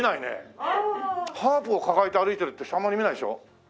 ハープを抱えて歩いてるって人あんまり見ないでしょ？